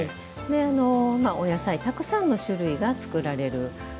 お野菜たくさんの種類が作られる。